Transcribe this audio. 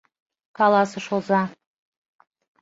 — каласыш оза.